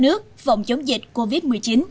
cả nước vòng chống dịch covid một mươi chín